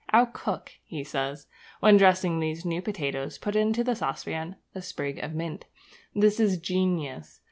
'Our cook,' he says, 'when dressing these new potatoes, puts into the saucepan a sprig of mint. This is genius.